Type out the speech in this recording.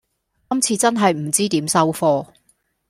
今次真係唔知點收科